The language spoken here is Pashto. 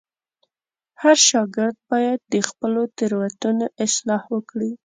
هر شاګرد باید د خپلو تېروتنو اصلاح وکړي.